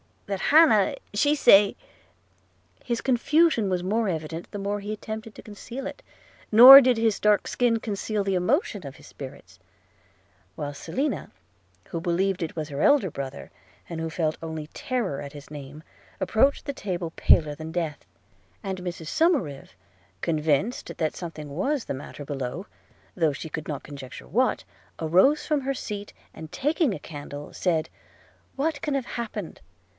. that Hannah ... she say –' His confusion was the more evident, the more he attempted to conceal it; nor did his dark skin conceal the emotion of his spirits; while Selina, who believed it was her elder brother, and who felt only terror at his name, approached the table paler than death; and Mrs Somerive, convinced that something was the matter below, though she could not conjecture what, arose from her seat, and taking a candle said, 'What can have happened?